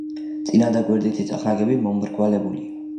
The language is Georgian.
წინა და გვერდითი წახნაგები მომრგვალებულია.